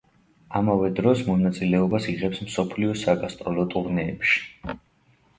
ამავე დროს მონაწილეობას იღებს მსოფლიო საგასტროლო ტურნეებში.